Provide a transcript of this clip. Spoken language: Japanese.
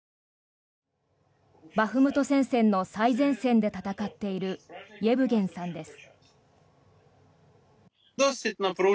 バフムト戦線の最前線で戦っているイェブゲンさんです。